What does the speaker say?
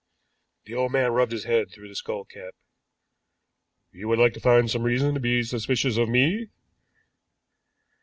The old man rubbed his head through his skull cap. "You would like to find some reason to be suspicious of me?"